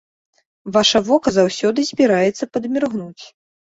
Ваша вока заўсёды збіраецца падміргнуць.